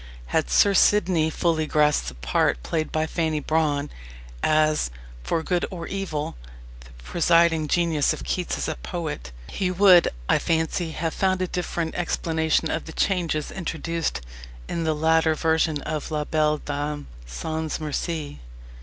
Had Sir Sidney fully grasped the part played by Fanny Brawne as, for good or evil, the presiding genius of Keats as a poet, he would, I fancy, have found a different explanation of the changes introduced into the later version of La Belle Dame sans Merci.